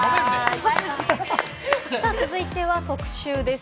続いては特集です。